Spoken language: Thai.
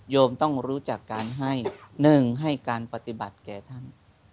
ต้องรู้จักการให้๑ให้การปฏิบัติแก่ท่าน